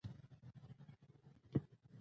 د نړۍ ځینې خلک د خپل وطن پرمختګ ته ژمن دي.